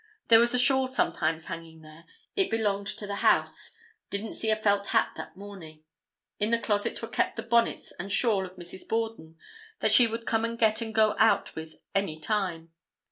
There was a shawl sometimes hanging there. It belonged to the house. Didn't see a felt hat that morning. In the closet were kept the bonnets and shawl of Mrs. Borden, that she would come and get and go out with any time.